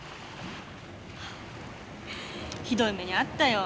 ひどい目に遭ったよ。